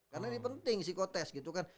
karena ini penting psikotest gitu kan